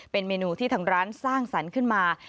เป็นเมนูที่ทางร้านสร้างสรรค์ขึ้นมา